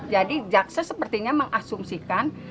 jadi jaksa sepertinya mengasumsikan